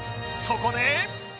そこで